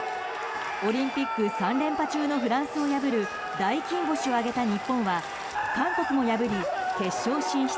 オリンピック３連覇中のフランスを破る大金星を挙げた日本は韓国も破り決勝進出。